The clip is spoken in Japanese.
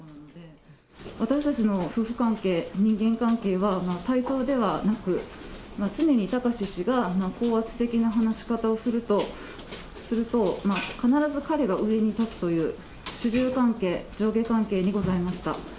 私たちの夫婦関係、人間関係は、対等ではなく、常に貴志氏が高圧的な話し方をすると、必ず彼が上に立つという主従関係、上下関係にございました。